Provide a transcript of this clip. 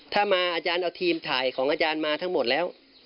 ถ้ามาอาจารย์เอาทีมถ่ายของอาจารย์มาทั้งหมดแล้ว